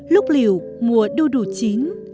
lúc liều mùa đu đủ chín